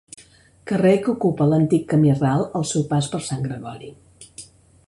Carrer que ocupa l'antic Camí Ral al seu pas per Sant Gregori.